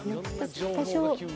多少。